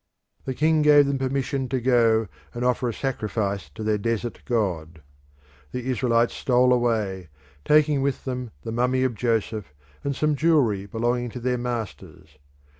The king gave them permission to go and offer a sacrifice to their desert god. The Israelites stole away, taking with them the mummy of Joseph and some jewellery belonging to their masters.